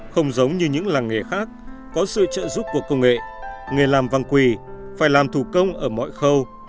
không giống như những làng nghề khác có sự trợ giúp của công nghệ nghề làm văn quỳ phải làm thủ công ở mọi khâu